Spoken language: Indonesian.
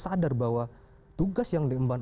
sadar bahwa tugas yang diemban